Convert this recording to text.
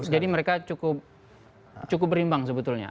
jadi mereka cukup berimbang sebetulnya